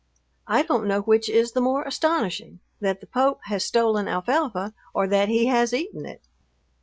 I don't know which is the more astonishing, that the Pope has stolen alfalfa, or that he has eaten it.